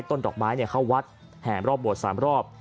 ต้นดอกไม้เข้าวัดแห่มรอบบวดสามรอบ